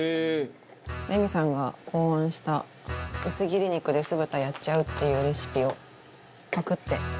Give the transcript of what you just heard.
レミさんが考案した薄切り肉で酢豚やっちゃうっていうレシピをパクって。